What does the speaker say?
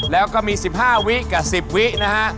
แล้วก็มี๑๕วิกับ๑๐วินะฮะ